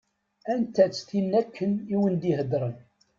Anta-tt tin akken i wen-d-iheddṛen?